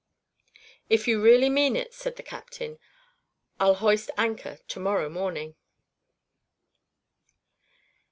"If you really mean it," said the captain, "I'll hoist anchor to morrow morning."